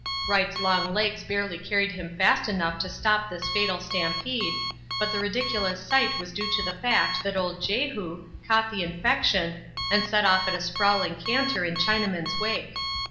Wright's long legs barely carried him fast enough to stop this fatal stampede, but the ridiculous sight was due to the fact that old Jehu caught the infection and set off at a sprawling canter in Chinaman's wake.